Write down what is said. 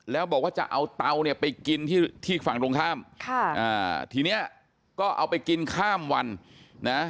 แล้วบอกว่าจะเอาเตาเนี่ยไปกินที่ที่ฝั่งตรงข้ามค่ะอ่าทีเนี้ยก็เอาไปกินข้ามวันนะ